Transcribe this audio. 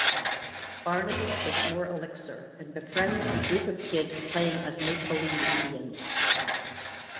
Barnaby takes more elixir and befriends a group of kids playing as make-believe Indians.